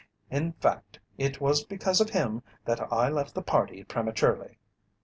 In fact, it was because of him that I left the party prematurely.